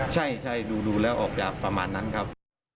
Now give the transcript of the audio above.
ใช่ดูแล้วออกจากประมาณนั้นครับ